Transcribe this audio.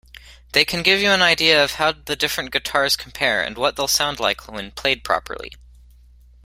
They can give you an idea of how the different guitars compare and what they'll sound like when played properly.